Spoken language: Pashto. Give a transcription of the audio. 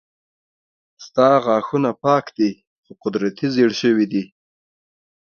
ستا غاښونه پاک دي خو قدرتي زيړ شوي دي